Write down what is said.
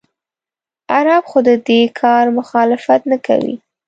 عرب خو د دې کار مخالفت نه کوي.